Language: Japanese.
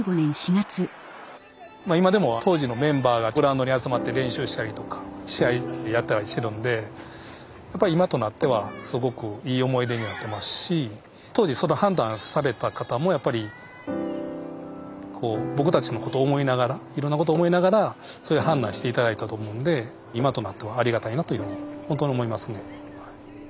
今でも当時のメンバーがグラウンドに集まって練習したりとか試合やったりしてるんでやっぱり今となってはすごくいい思い出になってますし当時その判断された方もやっぱり僕たちのことを思いながらいろんなことを思いながらそういう判断して頂いたと思うんで今となってはありがたいなというふうにほんとに思いますね。